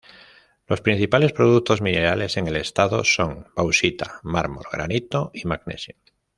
Los principales productos minerales en el estado son bauxita, mármol, granito y magnesio.